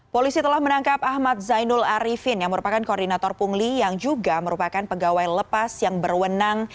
polisi telah menangkap ahmad zainul arifin yang merupakan koordinator pungli yang juga merupakan pegawai lepas yang berwenang